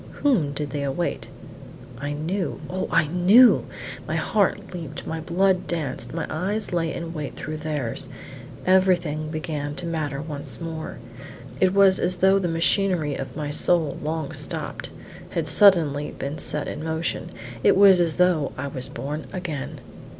Whom did they await? I knew! Oh, I knew! My heart leaped, my blood danced, my eyes lay in wait with theirs. Everything began to matter once more. It was as though the machinery of my soul, long stopped, had suddenly been set in motion; it was as though I was born again.